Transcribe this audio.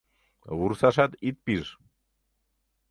Вурсашат ит пиж.